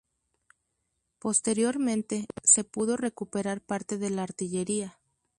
Posteriormente, se pudo recuperar parte de la artillería.